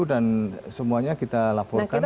dan semuanya kita laporkan kepada